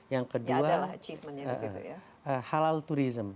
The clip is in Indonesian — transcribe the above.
yang kedua halal tourism